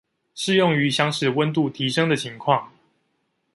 適用於想使溫度提升的情況